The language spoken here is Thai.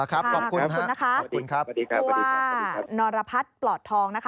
ค่ะขอบคุณนะคะทุกคนค่ะว่านรพทปลอดทองนะคะ